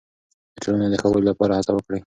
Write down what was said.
د ټولنې د ښه والي لپاره هڅه وکړئ.